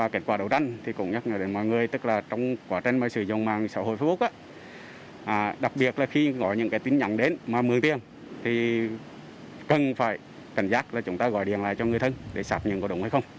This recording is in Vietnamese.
tình nhận đến mà mượn tiền thì cần phải cảnh giác là chúng ta gọi điện lại cho người thân để sạp nhận có đúng hay không